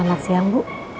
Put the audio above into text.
selamat siang bu